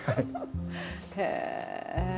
へえ！